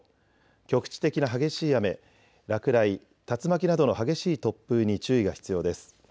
局地的な激しい雨、落雷、竜巻などの激しい突風に注意が必要です。